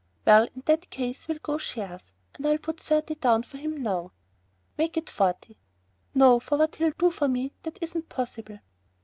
"Well, in that case we'll go shares and I'll put thirty down for him now." "Make it forty." "No, for what he'll do for me that isn't possible."